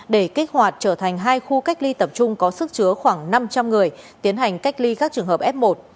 để kích hoạt trở thành hai khu cách ly tập trung có sức chứa khoảng năm trăm linh người tiến hành cách ly các trường hợp f một